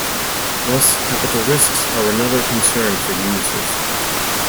Thus capital risks are another concern for users.